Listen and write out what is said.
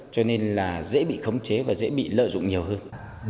cho nên là dễ bị khống chế và dễ bị lợi dụng nhiều hơn